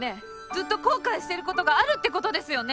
ずっと後悔してることがあるってことですよね？